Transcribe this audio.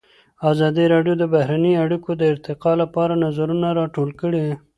ازادي راډیو د بهرنۍ اړیکې د ارتقا لپاره نظرونه راټول کړي.